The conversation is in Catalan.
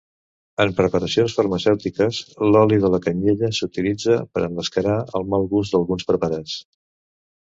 En preparacions farmacèutiques, l'oli de la canyella s'utilitza per emmascarar el mal gust d'alguns preparats.